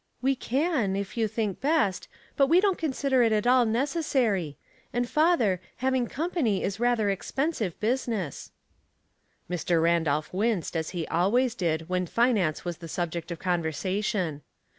'' We can, if you think best, but we don't consider it at all necessary ; and, father, having company is rather expensive business." Mr. Randolph winced, as he always did when finance was the subject of conversation.